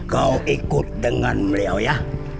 kau ikut dengan beliau ya